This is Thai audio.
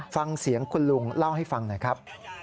ฟังเสียงคุณลุงเล่าให้ฟังหน่อยครับ